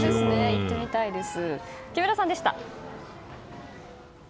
行ってみたいです。